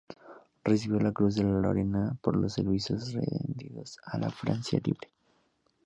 Recibió la Cruz de Lorena por los servicios rendidos a la Francia Libre.